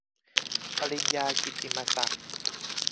ปริญญากิตติมศักดิ์